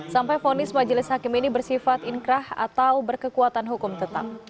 sampai fonis majelis hakim ini bersifat inkrah atau berkekuatan hukum tetap